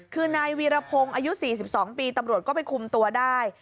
คือนายวีรพงศ์อายุ๔๒ปีตำรวจก็ไปคุมตัวได้